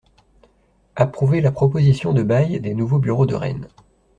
Approuver la proposition de bail des nouveaux bureaux de Rennes.